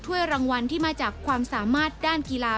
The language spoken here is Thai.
รางวัลที่มาจากความสามารถด้านกีฬา